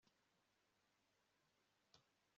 Ese amakosa yamaraso ntanumwe mubitekerezo